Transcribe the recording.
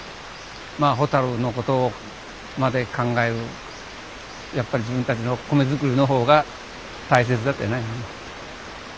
まあホタルのことまで考えずやっぱり自分たちの米作りの方が大切だったんじゃないの。